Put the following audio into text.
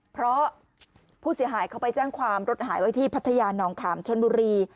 เพราะผู้เสียหายเขาไปแจ้งความรถหายไว้ที่พัทยานองขามชนบุรี